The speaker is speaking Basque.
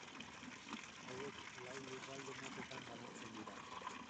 Hauek lau lurralde motetan banatzen dira.